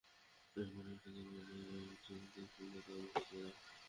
এমন একটা দিন নেই যে ওদের শূন্যতা আমাকে পোড়ায় না।